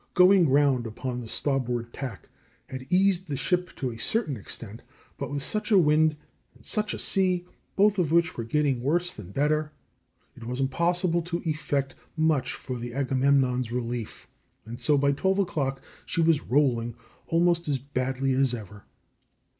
Going round upon the starboard tack had eased the ship to a certain extent, but with such a wind and such a sea both of which were getting worse than better it was impossible to effect much for the Agamemnon's relief, and so by twelve o'clock she was rolling almost as badly as ever.